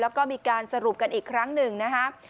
แล้วก็มีการสรุปกันอีกครั้งหนึ่งนะครับ